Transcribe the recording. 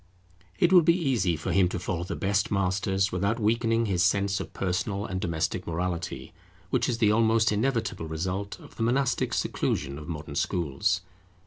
It will be easy for him to follow the best masters without weakening his sense of personal and domestic morality, which is the almost inevitable result of the monastic seclusion of modern schools.